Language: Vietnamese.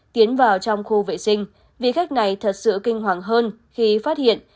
tiến vào trong khu vệ sinh vì khách này thật sự kinh hoàng hơn khi phát hiện